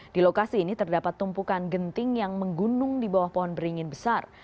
di lokasi ini terdapat tumpukan genting yang menggunung di bawah pohon beringin besar